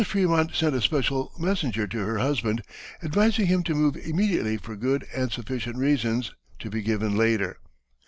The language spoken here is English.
Frémont sent a special messenger to her husband, advising him to move immediately for good and sufficient reasons, to be given later.